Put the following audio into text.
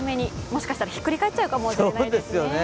もしかしたら、ひっくり返っちゃうかもしれないですね。